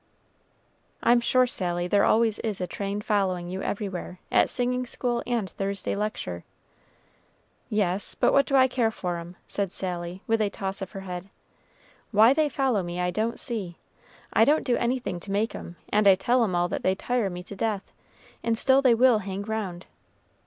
"I'm sure, Sally, there always is a train following you everywhere, at singing school and Thursday lecture." "Yes but what do I care for 'em?" said Sally, with a toss of her head. "Why they follow me, I don't see. I don't do anything to make 'em, and I tell 'em all that they tire me to death; and still they will hang round.